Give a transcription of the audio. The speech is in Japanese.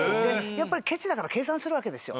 やっぱりケチだから計算するわけですよ。